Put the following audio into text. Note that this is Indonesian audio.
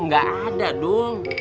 gak ada dong